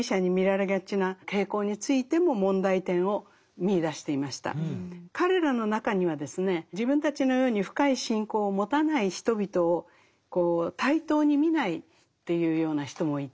それからまた彼らの中にはですね自分たちのように深い信仰を持たない人々をこう対等に見ないというような人もいて。